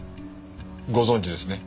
ご存じですね？